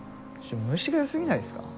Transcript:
虫がよすぎないですか？